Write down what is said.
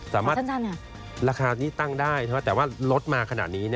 ราคานี้ตั้งได้แต่ว่าลดมาขนาดนี้